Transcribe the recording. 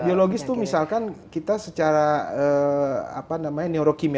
biologis itu misalkan kita secara apa namanya neurokimia